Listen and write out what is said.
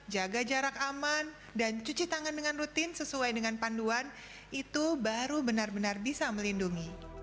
jaga jarak aman dan cuci tangan dengan rutin sesuai dengan panduan itu baru benar benar bisa melindungi